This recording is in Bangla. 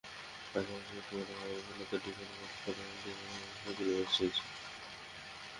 পাশাপাশি একটু মোটা কাপড়ের ফুলহাতা টি-শার্ট, ভেলভেট এবং ডেনিমের পোশাকগুলো বেশ চলছে।